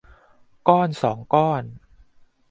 ก้อนสองก้อน